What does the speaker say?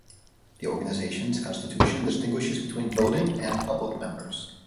The organization's constitution distinguishes between 'voting' and 'public' members.